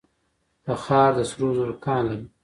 تخار د سرو زرو کان لري